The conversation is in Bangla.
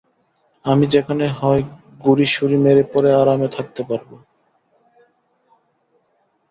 আমি যেখানে হয় গুড়িসুড়ি মেরে পড়ে আরামে থাকতে পারব।